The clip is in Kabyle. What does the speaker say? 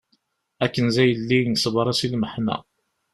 A Kenza a yelli sbeṛ-as i lmeḥna.